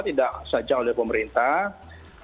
tidak saja oleh pemerintah